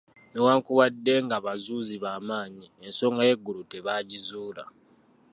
Newankubadde nga bazuuzi ba maanyi, ensonga y'eggulu tebaagizuula.